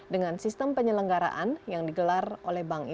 dengan sistem penyelenggaraan yang digelar oleh bnp